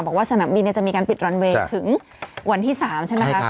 สนามบินจะมีการปิดรันเวย์ถึงวันที่๓ใช่ไหมคะ